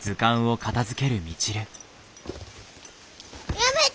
やめて！